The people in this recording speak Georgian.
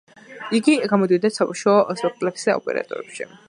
იგი გამოდიოდა საბავშვო სპექტაკლებსა და ოპერეტებში.